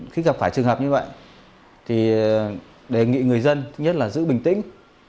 khi gặp phải trường hợp như vậy thì đề nghị người dân thứ nhất là giữ bình tĩnh